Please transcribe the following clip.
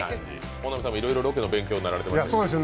本並さんもいろいろロケの勉強になりましたか。